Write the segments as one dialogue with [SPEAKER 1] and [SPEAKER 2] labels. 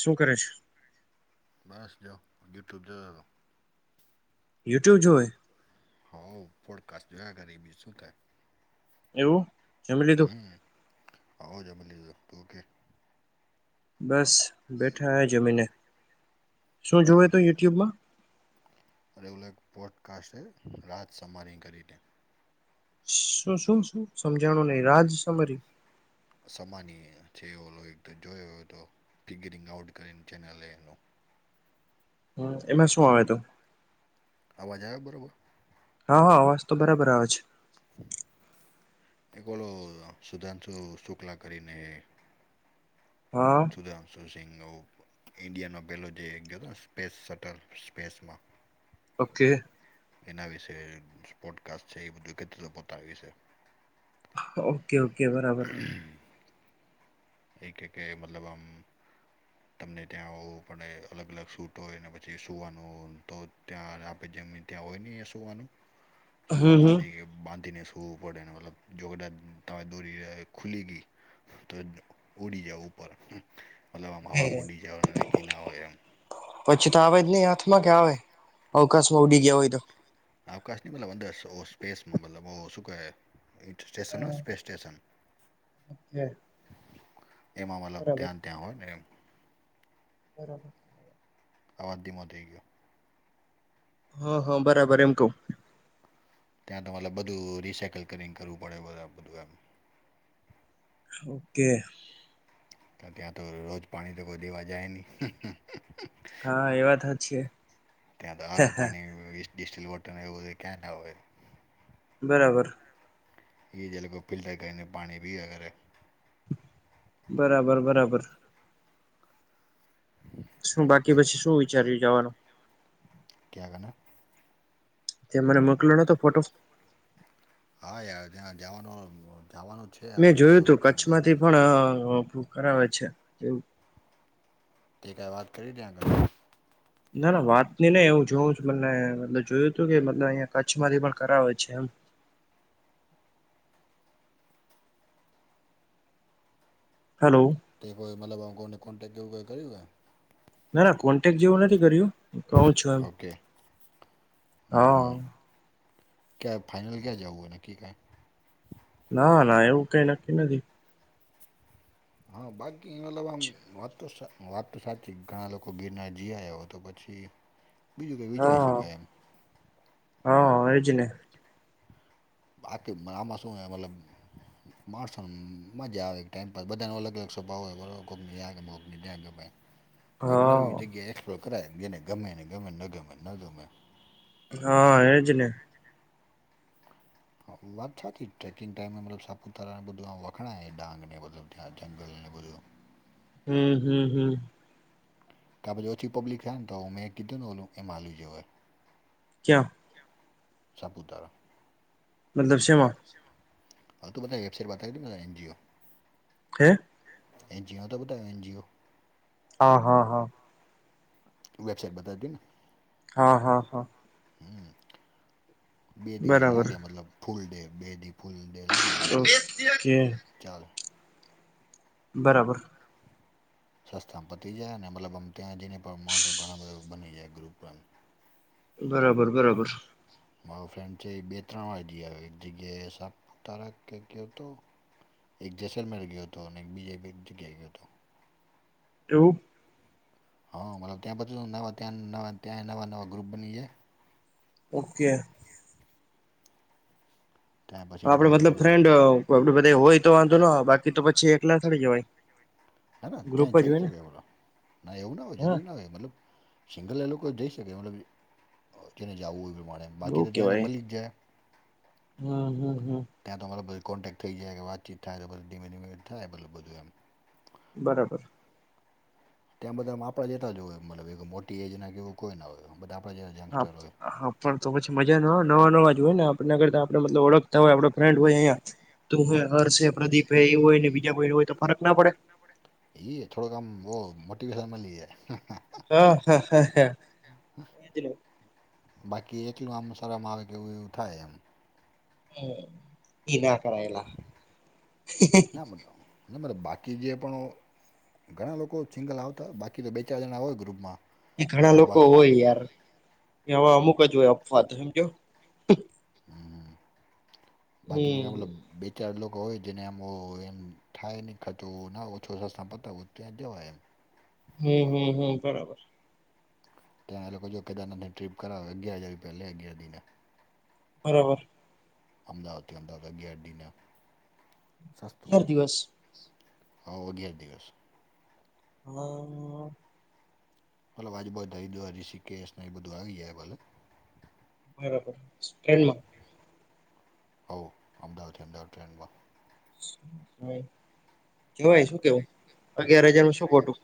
[SPEAKER 1] શું કરે છે?
[SPEAKER 2] બસજો યુટ્યુબ જો
[SPEAKER 1] યુટ્યુબ જો હોએ
[SPEAKER 2] હ પોડકાસ્ટ જોયા કરુ બીજુ શું કરુ?
[SPEAKER 1] એવું. જમી લીધું
[SPEAKER 2] હમ આવ જ મળલ ઓકે.
[SPEAKER 1] બસ બેઠા હ જમીને શું જોયું તોું યુટ્યુબમાં
[SPEAKER 2] અરેગુલ પોડકાસ્ટે રાત સમારી કરીને-
[SPEAKER 1] શું શું શું સમજાણું નહી રાજ સમરી-
[SPEAKER 2] સમાની છે એ ઓ જોયો તો ફિગરિંગ આઉટ કરીને ચેનલે એનું
[SPEAKER 1] હ એમાં શું આવે તું-
[SPEAKER 2] અવાજ આવ બરાબર
[SPEAKER 1] હા હા અવાજ તો બરાબર આવેવા છે.
[SPEAKER 2] [inaudible] એક ઓોલો સુધાંશુ શુક્લા કરીને
[SPEAKER 1] હા
[SPEAKER 2] સુધંશુ સિહ ઈન્ડિયાનો પહેલો જે ગયો હતો ને સ્પેસ સટલ સ્પેસમાં
[SPEAKER 1] ઓકે
[SPEAKER 2] એના વિશે સ્પોડકાસ્ટ છે. એ બધું પોતા વિશે
[SPEAKER 1] ઓકે ઓકે બરાબર
[SPEAKER 2] એક એક કે મતલબ આમ તમને ત્યાં હોવું પડે અલગ અલગ સૂટ હોય ને પછી સુવાનું તો ત્યાં આપે જેમની ત્યાં હોય ની એ સોવાનું,
[SPEAKER 1] હમ
[SPEAKER 2] સુવા
[SPEAKER 1] હમ
[SPEAKER 2] માટે બાંધીને વુ પડે ને મતલબ જો તા દોરી ખુલી ગી તો ઉડી જાવ ઉપર મતલબ આમ હવા ઉડી જાવ કકી ના હોય એમ.
[SPEAKER 1] પછી તો આવે જ નહી હાથમાં કે આવે? અવકાશમાં ઉડી ગયા હોય તો
[SPEAKER 2] અવકાશની મતલબ અંદર ઓ સ્પેસમાં મતલબ ઓ શું કહે એ સ્ટેશનો સ્પેસ સ્ટેશેશન એમાં મતલબ
[SPEAKER 1] બરાબર
[SPEAKER 2] ધ્યાન ત્યાં હોય ને એમ.
[SPEAKER 1] બરોબર.
[SPEAKER 2] આવાજ ધીમો થઈ ગયા.
[SPEAKER 1] હા હા બરાબર એમ કઉં.
[SPEAKER 2] ત્યાં તમારે બધું રિસાયકલ કરીંગ કરવું પડે બરા બધું એમ.
[SPEAKER 1] ઓકે.
[SPEAKER 2] તો ત્યાં તો રોજ પાણી તો કોઈ દેવા જાય નહી.
[SPEAKER 1] હા એ વાત હાચી
[SPEAKER 2] ત્યાં તો હારો
[SPEAKER 1] હે.
[SPEAKER 2] પાણી વી ડિસ્ટિલ વોટર ને એવું ક્યાં ના હોય.
[SPEAKER 1] બરાબર.
[SPEAKER 2] એ જલ કો ફિલ્ટર કરીને પાણી પિયા કરે.
[SPEAKER 1] બરાબર, બરાબર. શું બાકી પછી શું વિચાર્યું જવાનું?
[SPEAKER 2] ક્યાં ગના?
[SPEAKER 1] જે મને મોકલો નો તો ફોટો.
[SPEAKER 2] હા, યાર ત્યાં જવાનો અહ જવાનો
[SPEAKER 1] મેં જોયું તું કચ્છમાંથી પણ અહ કરાવે છે એવું.
[SPEAKER 2] તે ક્યાં વાત કરી ત્યાં આગળ.
[SPEAKER 1] ના ના વાત ની નહીં હું જોઉં છું મને જોયું તું કે મત અહંયા કચ્છમાંથી પણ કરાવે છે એમ. હલો.
[SPEAKER 2] તે કોઈ મતલબ કોઈને કોન્ટેક્ટ કરવું કોઈ કર્યું હૈ.
[SPEAKER 1] ના ના કોન્ટેક્ટ જેવું નથી કર્યું કઉ છું એમ
[SPEAKER 2] હે ઓકે
[SPEAKER 1] હા.
[SPEAKER 2] કેબ ફાઇનલ કા જવું એ નકી કાઈ
[SPEAKER 1] ના ના એવું કઈ નક્કી નથી.
[SPEAKER 2] હા બાકી મતલબ આમ વાત તો વાત તો સાચી ઘણા લોકો ગિરનાર જી આયો તો પછી. બીજું કઈ વિચારી શકાય એમ.
[SPEAKER 1] હ એ જ ને.
[SPEAKER 2] પાક મા માસું એ મતલબ માણસોનું મજા આવે ટાઈમપાસ બધાનો અલગ અલગ સ્વભાવ હોય વરર કોક ને આ ગમે કોક ને ત્યાં ગમે એક
[SPEAKER 1] હા
[SPEAKER 2] નવી જગ્યા એક્સપ્લોર કરાય જેને ગમે ને ગમે ન ગમે ન ગમે.
[SPEAKER 1] હા એજ ને.
[SPEAKER 2] હા વાદ સા થ ટ્રેકિંગ ટાઈમેમાં મતલબ સાપુતારા ને આમ બધુ વખણાઈ ડાંગ ને મતલબ થયા જંગલ ને બધુ
[SPEAKER 1] હમ હમ હમ.
[SPEAKER 2] ત્યાં બધુ ઓછી પબ્લિક આવે તો મે કીધુ ઓલું એમાં લઇ જવાઈ
[SPEAKER 1] ક્યાં.
[SPEAKER 2] ક્યા સાપુતારા.
[SPEAKER 1] મતલબ સેમા
[SPEAKER 2] હા તું બધા વેબસાઇટ બતાવી ને એનજીઓ
[SPEAKER 1] હે.
[SPEAKER 2] એનજીઓ તો બતાવ એનજીઓ.
[SPEAKER 1] હ હ હ
[SPEAKER 2] તું વેબસાઇટ બતાદી ને.
[SPEAKER 1] હ હ હ
[SPEAKER 2] હમ બે દિવસ
[SPEAKER 1] બરાબર
[SPEAKER 2] લાગે મતલબ ફૂલ ડે બે દિ ફૂલ દે લાગી છે
[SPEAKER 1] ઓકે
[SPEAKER 2] ચાલો.
[SPEAKER 1] બરાબર.
[SPEAKER 2] [inaudible] સસ્તામાં પતી જાય અનેને મતલબ આમ ત્યાં જઈને પણ માણસો ઘણા બધા બની જાય ગ્રુપ ને.
[SPEAKER 1] બરાબર બરાબર.
[SPEAKER 2] મારો ફ્રેન્ડ છે બે ત્રણ વાર જઈ આવ્યો એક જગ્યાએ સાપ તારા કે કેતો એક જસલમેર ગયો હતો અને એક બીજા એક જગ્યા ગયો હતો.
[SPEAKER 1] એવું.
[SPEAKER 2] હા મતલબ ત્યાં નવા ત્યાં ત્યાં નવા નવા ગ્રુપ બની જાય.
[SPEAKER 1] ઓકે.
[SPEAKER 2] ત્યાં પછી
[SPEAKER 1] આપડે
[SPEAKER 2] એ
[SPEAKER 1] મતલબ
[SPEAKER 2] લોકોનો ના
[SPEAKER 1] ફ્રેન્ડ આપડે બધે હોય તો વાંધો ના આવે બાકી તો પછી એકલા થડી જવાય.
[SPEAKER 2] ના ના
[SPEAKER 1] ગ્રુપ
[SPEAKER 2] ત્યાં
[SPEAKER 1] જ
[SPEAKER 2] જઈ
[SPEAKER 1] હોય ને
[SPEAKER 2] શકે બલો ના એવું ના હોય
[SPEAKER 1] હા
[SPEAKER 2] જરૂરી ના હોય મતલબ સિંગલ એ લોકો જઈ શકે મતલબ જેને જાવું એ પ્રમાણે બાકી
[SPEAKER 1] બઉ
[SPEAKER 2] તો ત્યાં
[SPEAKER 1] કેવાય.
[SPEAKER 2] મળી જાય.
[SPEAKER 1] હમ, હમ, હમ.
[SPEAKER 2] ત્યાં તો મને બધી કોન્ટેક્ટ થઈ જાય કે વાતચીત થાય તો બી ધીમે ધીમે થાય બલું બધું એમ.
[SPEAKER 1] બરાબર.
[SPEAKER 2] ત્યાં બધા આપણા જેતા જ હોય મતલબ એક મોટી એજના કેવું કોઈ ના હોય બધા આપણા જેતા
[SPEAKER 1] હા.
[SPEAKER 2] યંગસ્ટર હોય.
[SPEAKER 1] હા પણ તો પછી મજા ના નવા નવા જો હોય ને આપણે આગળ તો આપણે મતલબ ઓળખ આપડા ફ્રેન્ડ હોય અયા તું હર્ષ, પ્રદીપ એ હોયને બીજા ભાઈ હોય તો ફરક ના પડે.
[SPEAKER 2] એ થોડો આમ મોટીવેશન મલી જાય.
[SPEAKER 1] હા, હા, હા, હા એજ ને.
[SPEAKER 2] બાકી એટલું આમ શરમ આવે કે એવું એવું થાય એમ.
[SPEAKER 1] હમ ઈ ના કરાયેલા.
[SPEAKER 2] [inaudible] ના ના બાકી જે પણ ઘણા લોકો સિંગલ આવતા બાકી તો બે ચાર જણા હોય ગ્રુપમાં.
[SPEAKER 1] એ
[SPEAKER 2] તો
[SPEAKER 1] ઘણા લોકો
[SPEAKER 2] બાકી
[SPEAKER 1] હોય યાર એ આવા અમુક જ હોય અફવા તો સમજ્યો.
[SPEAKER 2] હમ બાકી
[SPEAKER 1] હમ
[SPEAKER 2] ના ઓલા ચાર લોકો હોય જેને એમ એમ થાય નહીં ખચું ના ઓછો ખર્ચ પતાવું ત્યાં જવાય એમ.
[SPEAKER 1] હમ, હમ, હમ બરાબર.
[SPEAKER 2] ત્યાંના લોકો જો કેદારના ટ્ર્રીપ કરાવે અગિયારજાર અગીયાર દીના.
[SPEAKER 1] બરાબર.
[SPEAKER 2] અમદાવાદ થી અમદાવાદ અગીયાર દીના સસ્તું.
[SPEAKER 1] અગિયાર દિવસ.
[SPEAKER 2] હાવ અગિયાર દિવસ.
[SPEAKER 1] હા.
[SPEAKER 2] આજુ બાજું હરિદ્વાર રીસીકેશ એ બધું આવી જાય.
[SPEAKER 1] બરાબર ટ્રેનમાં?
[SPEAKER 2] હા અમદાવાદ થી અમદાવાદ ટ્રેનમાં.
[SPEAKER 1] જવાય શું કેવું અગિયાર હજાર માં શું ખોટું.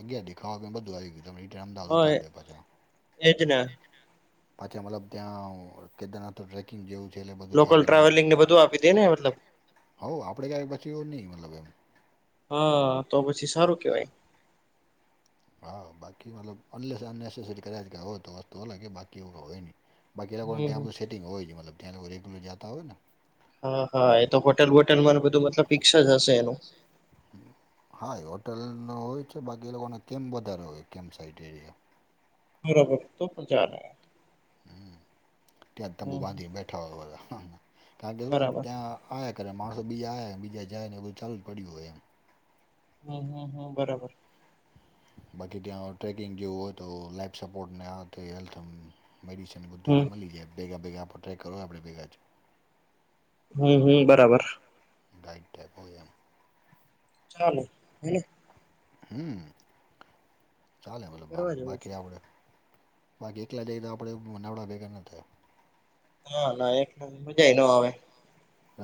[SPEAKER 2] અગયા દેખાવો કે એ બધું ગયું અમદાવાદ
[SPEAKER 1] હા એ
[SPEAKER 2] ઉતારડે પછા.
[SPEAKER 1] એજ ને
[SPEAKER 2] પાછા મતલબ ત્યા કેદરના તો ટ્રેકિંગ જેવું છે એટલે બધું
[SPEAKER 1] લોકલ
[SPEAKER 2] ત્યાં નામ
[SPEAKER 1] ટ્રાવેલિંગ ને બધું આપી દે ને મતલબ
[SPEAKER 2] હઉ આપણે ક્યાંય પછી એવું નહીં મતલબ એમ.
[SPEAKER 1] હા તો પછી સારું કેવાય.
[SPEAKER 2] હા બાકી મતલબ અનલેસ અનનેસેસરી કદાચ ગયા હોય તો વસ્તુ અલગ કે બાકી એવું કશું હોય નહીં. બાકી લોકોન ત્યાં
[SPEAKER 1] હમ
[SPEAKER 2] બૂ સેટિંગ હોય જ મલબ ત્યા લોકો રેગ્યુલર જાતા હોયને.
[SPEAKER 1] હા હા એ તો હોટેલ બોટેલમાં બધું મતલબ પિક્સ જ હશે એનું.
[SPEAKER 2] હા હોટલનો હોય છે બાકી એ લોકોને કેમ વધારે હોય કેમ સાઇટ એરિયા.
[SPEAKER 1] બરાબર તો પણ ચાલે.
[SPEAKER 2] હમ્મ, ત્યાં તંબુ
[SPEAKER 1] હમ
[SPEAKER 2] બાંધીને બેઠા હોય બધા કારણ કે હું
[SPEAKER 1] બરાબર
[SPEAKER 2] ત્યાં આય ક માણસ બીજ આયા બીજા જાયને એ બધ ચાલ જ પડી હોય એમ.
[SPEAKER 1] હમ્મ, હમ્મ, હમ્મ, બરાબર.
[SPEAKER 2] બાકી ત્યાં ટ્રેકિંગ જેવું હોય તો લાઈફ સપોર્ટને આ તે હેલ્થ એમ મેડિસન બધું
[SPEAKER 1] હમ
[SPEAKER 2] યા મળી જાય ભેગા ભેગા આપણે ટ્રાય કરો આપણે ભેગા જ.
[SPEAKER 1] હમ્મ, હમ્મ, બરાબર.
[SPEAKER 2] ગાઈડ ટેપ હોય એમ.
[SPEAKER 1] ચાલે હેને.
[SPEAKER 2] હમ્મ, ચાલે મતલબ આમ
[SPEAKER 1] કરવા જેવું
[SPEAKER 2] બાકી
[SPEAKER 1] છે
[SPEAKER 2] આપડે બાકી એકલા જાય તો આપડે [unintelligible] ભેગા ના થયા.
[SPEAKER 1] ના ના એમ મજાય નો આવે.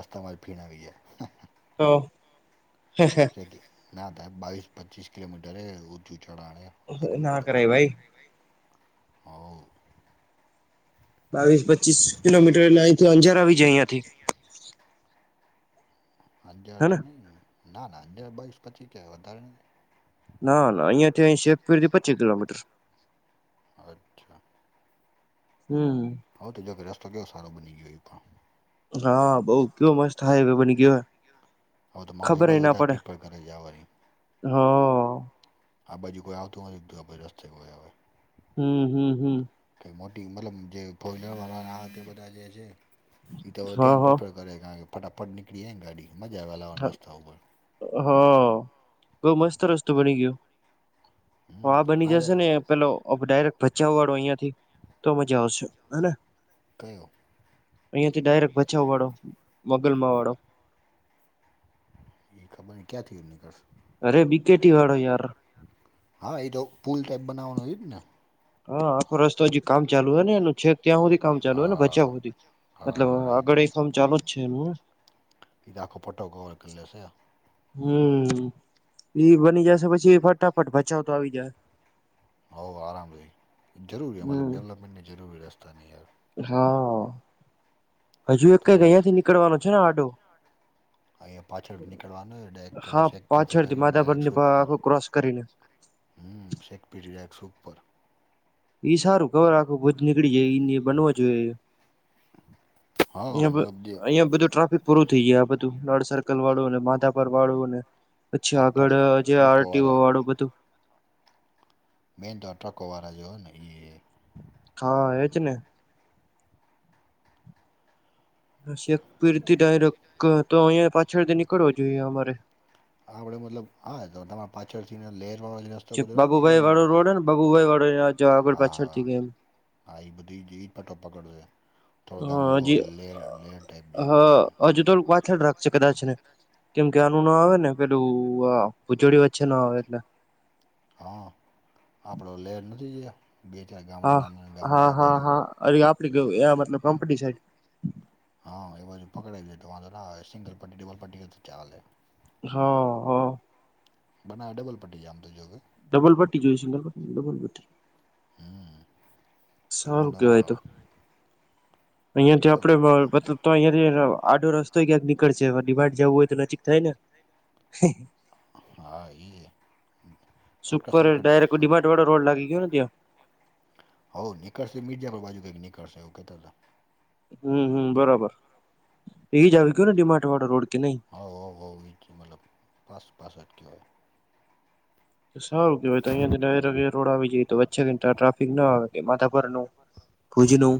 [SPEAKER 2] રસ્તામાંજ ફીણ આવી ગયાં.
[SPEAKER 1] તો.
[SPEAKER 2] ના થાય બાવીસ પચીસ કિલોમીટર ઊંચું હે ચઢાણે અઘરૂ
[SPEAKER 1] ના
[SPEAKER 2] પડે,
[SPEAKER 1] કરાય ભાઈ
[SPEAKER 2] હવ.
[SPEAKER 1] બાવીસ પચીસ કિલોમીટર એટલે અઈથી અંજાર આવી જાય અહંથી.
[SPEAKER 2] હજાર તો
[SPEAKER 1] હેને
[SPEAKER 2] નહીં ને? ના ના હજયાર બાવીસ પછી ક્યાંય વધારે નહિં.
[SPEAKER 1] ના ના અહીયાંથી અ શેપીર પચી કિલોમીટર.
[SPEAKER 2] અચ્છા.
[SPEAKER 1] હમ્મ.
[SPEAKER 2] હવથી તોજો રસ્તો કિયો સારો બની ગયો ઈ કો.
[SPEAKER 1] હા બઉ કેયો મસ્ત હાઈવે બની ગયો.
[SPEAKER 2] હવ તો માણું એ
[SPEAKER 1] ખબર ય
[SPEAKER 2] બાજુ
[SPEAKER 1] ના
[SPEAKER 2] વધારે
[SPEAKER 1] પડે
[SPEAKER 2] પ્રિપર કરી જા વરી.
[SPEAKER 1] હા.
[SPEAKER 2] આ બાજુ કોઈ આવતું નથી દીધું રસ્તે કોઈ હવે.
[SPEAKER 1] હમ્મ, હમ્મ, હમ્મ.
[SPEAKER 2] કે મોટી મતલબ જે કોઇન આ બધા જે છે એ તો ત્યાં જ
[SPEAKER 1] હા
[SPEAKER 2] પીપ ફટાફટ નીકળી જાય ન ગાડી મજા આવેલા
[SPEAKER 1] હા
[SPEAKER 2] રસ્તા ઉપર.
[SPEAKER 1] હા, બઉ મસ્ત રસ્તો બની ગ્યો. આ બની જશે ને પેલો ડાયરેક્ટ ભચાવ વાળો અહિયાં થી તો મજા આવશે, હને?
[SPEAKER 2] કયો?
[SPEAKER 1] અહિયા થી ડાયરેક્ટ બચાવ વાળો, વગલ માં વાળો.
[SPEAKER 2] ઈ ખબર ની ક્યાં થી નીકળસ.
[SPEAKER 1] અરે બિ કે ટી વાળો યાર.
[SPEAKER 2] હા એ તો પુલ ટાઈપ બનાવાનું એજ ને?
[SPEAKER 1] હા આખો રસ્તો હજી કામ ચાલુ હે ને એનું છેક ત્યાં હુધી કામ ચાલુ હે ને બચાવ
[SPEAKER 2] હા
[SPEAKER 1] સુધી
[SPEAKER 2] હા
[SPEAKER 1] મતલબ
[SPEAKER 2] હા તો
[SPEAKER 1] આગળ એ
[SPEAKER 2] છે
[SPEAKER 1] કામ ચાલુ જ છે એનું.
[SPEAKER 2] એ તો આખો પટો કવર કર લેશે.
[SPEAKER 1] હમ્મ, ઈ બની જશે પછી ફટાફટ ભચાઉ તો આવી જાશે.
[SPEAKER 2] હોવ આરામ લે, જરૂરી હે મતલબ
[SPEAKER 1] હમ
[SPEAKER 2] ડેવલપમેન્ટની જરૂરી હે રસ્તા ની યાર.
[SPEAKER 1] હા હજુ એક
[SPEAKER 2] તો
[SPEAKER 1] કઈક
[SPEAKER 2] મતલબ
[SPEAKER 1] અહિયા થી નીકળવાનો છે ને આડો?
[SPEAKER 2] અહીંયા પાછળથી નીકળવાનું
[SPEAKER 1] હા
[SPEAKER 2] ડાયરેક્ટ શેક પેથી
[SPEAKER 1] પાછળથી
[SPEAKER 2] કરીને ડાયરેક્ટ
[SPEAKER 1] માધાપરની
[SPEAKER 2] સુખપર.
[SPEAKER 1] આખું ક્રોસ કરીને
[SPEAKER 2] હમ્મ, શેકપીડી ડાયરેકસ ઉપર.
[SPEAKER 1] ઈ સારું ખબર આખું ભુજ નીકળી જાય ઈ બનવા જોઈએ.
[SPEAKER 2] હા મતલબ જે
[SPEAKER 1] અહીયા બધું ટ્રાફિક પૂરું થઈ ગિયું આ બધું નળ સર્કલ વાળું ને માધાપર વાળું ને પછી
[SPEAKER 2] આ
[SPEAKER 1] આગળ
[SPEAKER 2] ટ્રક
[SPEAKER 1] જે આર ટી ઓ
[SPEAKER 2] ટ્રકોવાળા
[SPEAKER 1] વાળું બધું
[SPEAKER 2] મેન તો આ ટ્રકોવાળા જે હોય ને ઈ.
[SPEAKER 1] હા એજ ને. શેકપીરથી ડાયરેક તો અહીયાં પાછળથી નીકળવો જોઈએ અમારે.
[SPEAKER 2] આપડે મતલબ હા તમારા પાછળ થી ને લેર વાળ [inaudible]
[SPEAKER 1] જે બાબુભાઈ વાળો રોડે ને બાબુભાઈ વાળો રોડ હે ને બાબુભાઈ વાળો અ જ આગળ
[SPEAKER 2] હા હા
[SPEAKER 1] પાછળથી એમ
[SPEAKER 2] હા એ બધી જ પટો પકડ થોડોક આમ ઓલો લે લે ટાઈપ જે
[SPEAKER 1] અજુ તોલક વાત થે રાખશે કદાચ એને કેમ કે આનું ના આવે ને પેલું અહ ભુજોડી વચ્ચે ના આવે એટલે.
[SPEAKER 2] હા, આપડો લેર નથી ગયા બે તં ગામડા
[SPEAKER 1] હા
[SPEAKER 2] નાનાના
[SPEAKER 1] હા
[SPEAKER 2] ગામડા એ
[SPEAKER 1] હા
[SPEAKER 2] બાજુ.
[SPEAKER 1] હા અરે આપડી ગ્યું આ મતલબ કંપની સાઈડ.
[SPEAKER 2] હા, એ બાજુ પકડાવી જાય તો વાંધો ના આવે. સિંગલ પર્ટી ડબલ પર્ટી તો ચાલે.
[SPEAKER 1] હા, હો.
[SPEAKER 2] બનાવ ડબલ પટ્ટટી જામ તો જો કે.
[SPEAKER 1] ડબલ પટ્ટી જોઈ સિંગલ પટ્ટી નહીં ડબલ પટ્ટી.
[SPEAKER 2] હમ્મ.
[SPEAKER 1] સારું કેવાય તો અહિયાંથી
[SPEAKER 2] જો
[SPEAKER 1] આપડે બા બત તો અહંયા થી આડો રસ્તો ક્યાંક નીકળ છે હવે ડી માર્ટ જવું હોય તો નજીક થાય ને.
[SPEAKER 2] હા એ હમ્મ.
[SPEAKER 1] સુપર ડાયરેક્ટ ડી માર્ટ વાડો રોડ લાગી ગયો ને ત્યાં.
[SPEAKER 2] હઉ નીકળશે મીડિયા પર બાજુ કઈક નીકળશે એવું કેતા તા.
[SPEAKER 1] હમ્મ હમ્મ બરાબર એ જ આવી ગયયો ને ડી માર્ટ વાડો રોડ કે નહી?
[SPEAKER 2] હાઉ હાઉ હાઉ એ ક્યું મતલબ પાસ પાસટ કેહવાય.
[SPEAKER 1] તો સારું કેવાય તો અહિયાયાથી ન રોડ આવી જાય તો વચે ઘ ટ્રાફિક ના આવે કે માથા પરનું. ખૂજનું.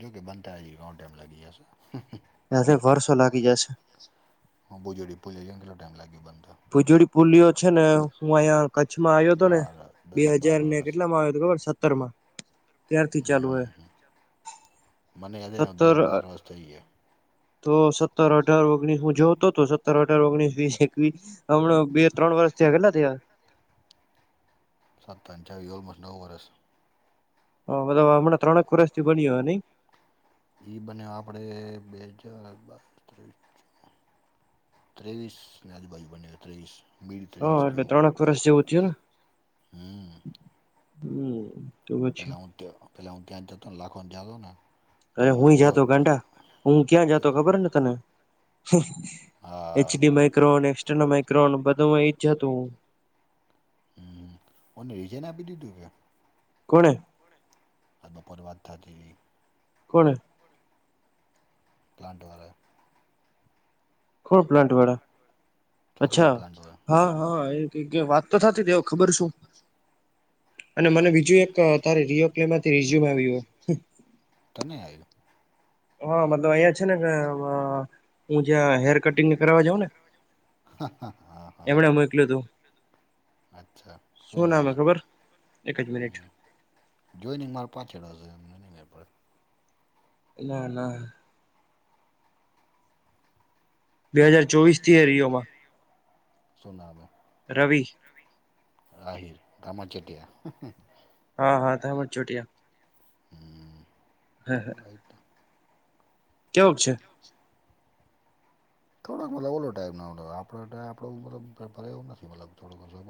[SPEAKER 2] જો કે બનતા હજી ઘણો ટાઈમ લાગી જાશે.
[SPEAKER 1] નાસે વરષો લાગી જાશે.
[SPEAKER 2] હું ભુજ ભુલ જઈ કેટલો ટાઈમ લાગ્યો બંધો.
[SPEAKER 1] પુજોડી પુલીઓ છે ને હું આંયા કચ્છમાં આવ્યો હતો ને
[SPEAKER 2] બાર
[SPEAKER 1] બે
[SPEAKER 2] દસ બાર
[SPEAKER 1] હાજાર ને
[SPEAKER 2] વરસ
[SPEAKER 1] કેટલામાં આવ્યો હતો ખબર સત્તર માં ત્યારથી ચાલુ હોય
[SPEAKER 2] હમ્મ હમ્મ હમ્મ. મને આજે યાદ
[SPEAKER 1] સત્તર
[SPEAKER 2] દસ બાર વર્ષ થઈ ગયા.
[SPEAKER 1] તો સત્તર અઢાર ઓગણીસ હું જોઉતો હતો સત્તર અઢાર ઓગણીસ વીસ એકવીસ હમણાં બે ત્રણ વર્ષ થયા કેટલા થયા?
[SPEAKER 2] સતચ વ ઓલમસ્ટ નવ વર્સ.
[SPEAKER 1] હ બધ હમણાં ત્રણક વર્ષ થી બન હોય નઈ?
[SPEAKER 2] એઈ બને આપડે બે હજાર બાવીસ ત્રીસ. ત્રેવીસ ના આજુબાજુ બને ત્રેવીસ. બીલ
[SPEAKER 1] હા
[SPEAKER 2] તેશ
[SPEAKER 1] એટલે
[SPEAKER 2] જો
[SPEAKER 1] ત્રણક વર્ષ જેવું થયું ને
[SPEAKER 2] હમ.
[SPEAKER 1] હમ. તો પછી
[SPEAKER 2] પહેલા હુયા પહેલા હું ત્યાહન જતોને લાખોને જાદો ને. તો
[SPEAKER 1] અરે હું
[SPEAKER 2] ઓલો
[SPEAKER 1] જાતો ગાંડા, હું ક્યાં જાતો ખબર ને તને?
[SPEAKER 2] હા
[SPEAKER 1] એચડી માઇક્રોન એક્સર્નલ માઇક્રોન બધુંમાં એઈ જ હતું.
[SPEAKER 2] હમ, અને રીઝન આપી દીધું કે?
[SPEAKER 1] કોણે?
[SPEAKER 2] હ બપરવાત થ જ
[SPEAKER 1] કોણ?
[SPEAKER 2] પ્લાન્ટ્વારા.
[SPEAKER 1] ખ પ્લાટ વાળ?
[SPEAKER 2] છોકરી
[SPEAKER 1] અચ્છા.
[SPEAKER 2] પ્લાન્ટ વાળા
[SPEAKER 1] હહ હહ એ કંઈક એ વાત તો થતી હવે ખબર શું. અને મને બીજું એક તારી રિયોપ્લે માંથી રીઝ્યુમ આવ્યું.
[SPEAKER 2] તને આવ્યું.
[SPEAKER 1] હા મતલબ અહીયાયા છે ને કે મુુંજા હેર કટિંગને કરવા જાવ ને,
[SPEAKER 2] હા હા હા
[SPEAKER 1] એમણે મોકલું હતું.
[SPEAKER 2] અચ્છા
[SPEAKER 1] શું નામ
[SPEAKER 2] સુુંનામાં
[SPEAKER 1] ખબર એક જ મિનિટ
[SPEAKER 2] હ? જોઈને મારા પાછળ હાલે એમ એ નઈ મેળ પડે.
[SPEAKER 1] ના ના હાજાર
[SPEAKER 2] બે
[SPEAKER 1] ચોવીસ
[SPEAKER 2] હજાર
[SPEAKER 1] થી
[SPEAKER 2] ચોવીસથી
[SPEAKER 1] રિયોમાં
[SPEAKER 2] એ રહ્યો. શું નામ હૈ?
[SPEAKER 1] રવિ.
[SPEAKER 2] રવિ આહીર ગામા ચીટીયા.
[SPEAKER 1] હા હા ધામ જ ચોટિયા.
[SPEAKER 2] હમ રાઇટ.
[SPEAKER 1] કેવોક છે?
[SPEAKER 2] છે. થોડોક મતલબ ઓલો ટાઈપનો ઓલો આપણો ટાઈપ આપણો મતલબ ભળે એવો નથી મતલબ થોડો [inaudible]